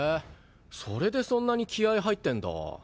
それでそんなに気合入ってるんだ。